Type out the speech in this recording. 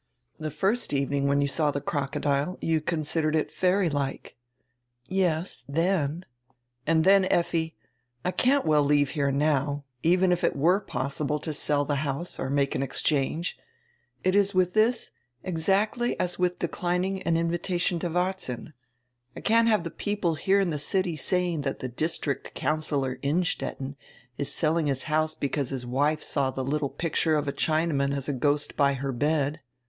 "The first evening, when you saw the crocodile, you con sidered it fairy like —" "Yes, then." "And dien, Effi, I can't well leave here now, even if it were possible to sell the house or make an exchange. It is widi diis exactly as with declining an invitation to Varzin. I can't have die people here in the city saying diat District Councillor Innstetten is selling his house because his wife saw die little pasted up picture of a Chinaman as a ghost by her bed.